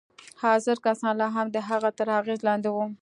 حاضر کسان لا هم د هغه تر اغېز لاندې وو